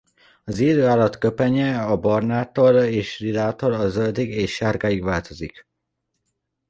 Az élő állat köpenye a barnától és lilától a zöldig és sárgásig változik.